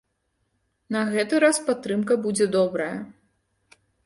На гэты раз падтрымка будзе добрая.